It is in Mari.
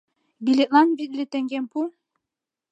Билетлан витле теҥгем пу!